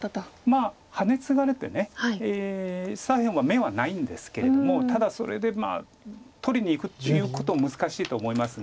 まあハネツガれて左辺は眼はないんですけれどもただそれで取りにいくっていうこと難しいと思います。